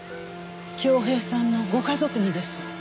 郷平さんのご家族にです。